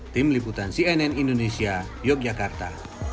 tim liputan cnn indonesia yogyakarta